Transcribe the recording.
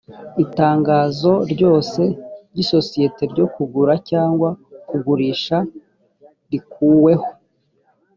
itangazo ryose ry isosiyete ryo kugura cyangwa kugurisha rikuhweho.